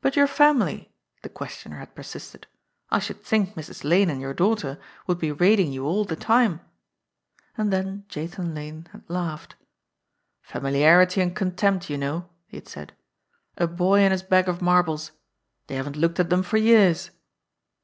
"But your family?" the questioner had persisted. "I should think Mrs. Lane and your daughter would be raiding you all the time !" And then Jathan Lane had laughed. "Famili arity and contempt, you know," he had said. "A boy and his bag of marbles. They haven't looked at them for years."